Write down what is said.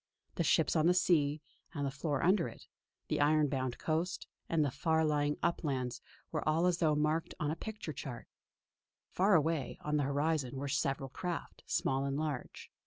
The ships on the sea, and the floor under it; the iron bound coast, and the far lying uplands were all as though marked on a picture chart. Far away on the horizon were several craft, small and large.